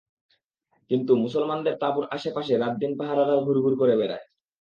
কিন্তু মুসলমানদের তাঁবুর আশে পাশে রাতদিন পাহারাদার ঘুরঘুর করে বেড়ায়।